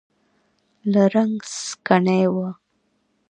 له رنګ سکڼۍ و.